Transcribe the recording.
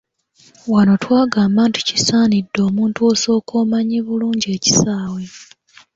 Wano twagamba nti kisaanidde omuntu osooke omanye bulungi ekisaawe.